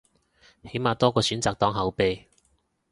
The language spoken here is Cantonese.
起碼多個選擇當後備